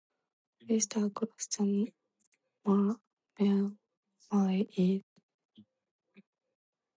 West across the mare is Schiaparelli.